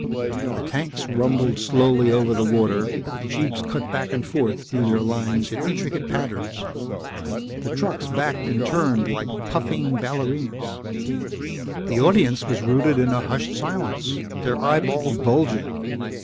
The tanks rumbled slowly over the water while the jeeps cut back and forth through their lines in intricate patterns. The trucks backed and turned like puffing ballerinas. The audience was rooted in a hushed silence, their eyeballs bulging.